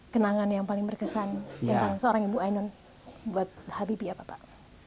kenangan yang paling berkesan tentang seorang ibu ainun buat habib ya bapak